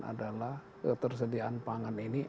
adalah ketersediaan pangan ini